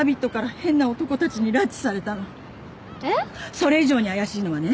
それ以上に怪しいのはね